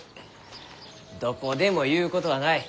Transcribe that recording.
どこでもゆうことはない。